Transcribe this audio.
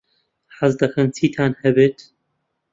حەز دەکەن چیتان هەبێت؟